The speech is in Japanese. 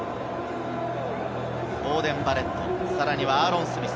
ボーデン・バレット、さらにはアーロン・スミス、